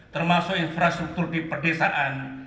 termasuk infrastruktur di perdesaan